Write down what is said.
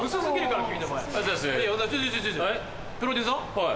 はい。